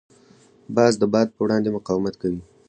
باز د باد په وړاندې مقاومت کوي